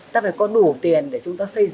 ta phải có đủ tiền để chúng ta xây dựng